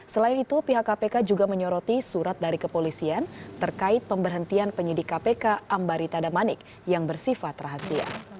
selain itu pihak kpk juga menyoroti surat dari kepolisian terkait pemberhentian penyidik kpk ambarita damanik yang bersifat rahasia